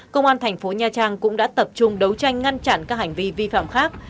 công an thành phố nha trang cũng đã tập trung đấu tranh ngăn chặn các hành vi vi phạm khác